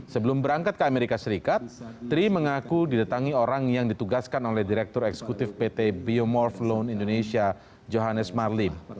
sebelum berangkat ke amerika serikat tri mengaku didatangi orang yang ditugaskan oleh direktur eksekutif pt biomorph loan indonesia johannes marlim